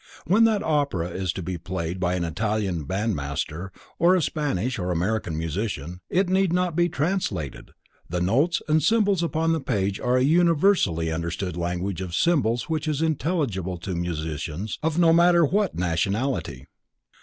When that opera is to be played by an Italian band master, or by a Spanish or American musician, it need not be translated, the notes and symbols upon the page are a universally understood language of symbols which is intelligible to musicians of no matter what nationality.